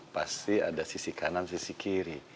pasti ada sisi kanan sisi kiri